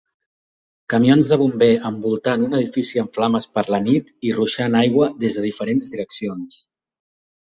Camions de bomber envoltant un edifici en flames per la nit i ruixant aigua des de diferents direccions.